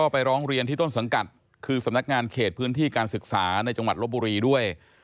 ไปร้องเรียนที่ต้นสังกัดคือสำนักงานเขตพื้นที่การศึกษาในจังหวัดลบบุรีด้วย